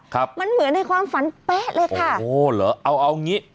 ครับมันเหมือนในความฝันเป๊ะเลยค่ะโอ้เหรอเอาเอางี้